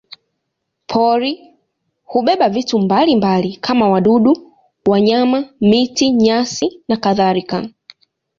Pori hubeba vitu mbalimbali kama wadudu, wanyama, miti, nyasi nakadhalika.